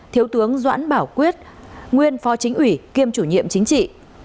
thiếu tướng doãn bảo quyết nguyên phó chính ủy kiêm chủ nhiệm chính trị